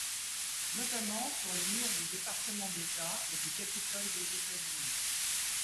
Notamment sur les murs du Département d’État et du Capitole des États-Unis.